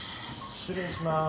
失礼します。